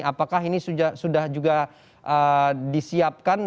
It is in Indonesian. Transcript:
apakah ini sudah juga disiapkan